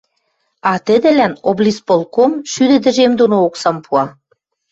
а тӹдӹлӓн облисполком шӱдӹ тӹжем доно оксам пуа.